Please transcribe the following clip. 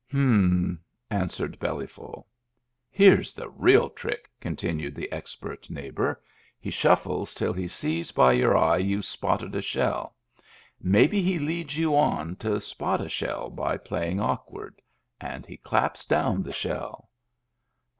" H'm," answered Bellyful. "Here's the real trick," continued the e3q)ert neighbor. " He shuffles till he sees by your eye you've spotted a shell. Maybe he leads you on to spot a shell by playing awkward. And he claps down the shell."